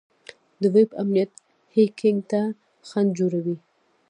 د ویب امنیت هیکینګ ته خنډ جوړوي.